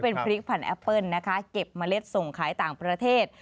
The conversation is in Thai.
เป็นพริกพันธแอปเปิ้ลนะคะเก็บเมล็ดส่งขายต่างประเทศ